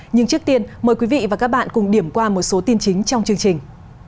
nhưng trước tiên mời quý vị và các bạn cùng điểm qua một số tin chính trong chương trình